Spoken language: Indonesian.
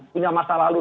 punya masa lalu